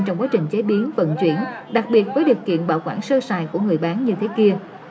trong quá trình chế biến vận chuyển đặc biệt với điều kiện bảo quản sơ xài của người bán như thế kia